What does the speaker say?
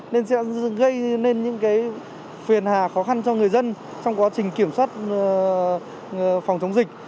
nên sẽ gây nên những phiền hà khó khăn cho người dân trong quá trình kiểm soát phòng chống dịch